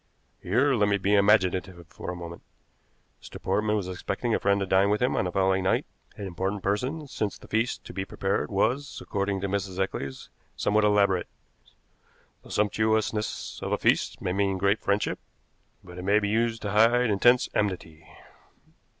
Here let me be imaginative for a moment. Mr. Portman was expecting a friend to dine with him on the following night, an important person, since the feast to be prepared was, according to Mrs. Eccles, somewhat elaborate. The sumptuousness of a feast may mean great friendship, but it may be used to hide intense enmity.